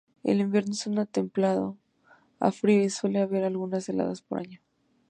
El invierno es templado a frío y suele haber algunas heladas por año.